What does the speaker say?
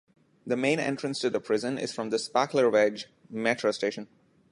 The main entrance to the prison is from the Spaklerweg metro station.